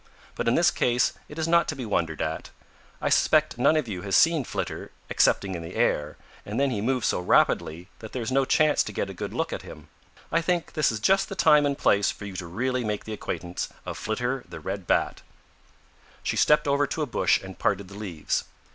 But in this case it is not to be wondered at. I suspect none of you has seen Flitter, excepting in the air, and then he moves so rapidly that there is no chance to get a good look at him. I think this is just the time and place for you to really make the acquaintance of Flitter the Red Bat." She stepped over to a bush and parted the leaves.